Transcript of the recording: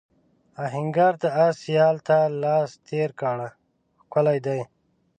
آهنګر د آس یال ته لاس تېر کړ ښکلی دی.